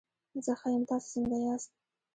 زه ښه یم، تاسو څنګه ياست؟